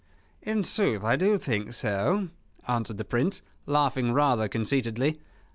"In sooth I do think so," answered the Prince, laughing rather conceitedly.